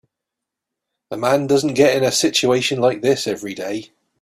A man doesn't get in a situation like this every day.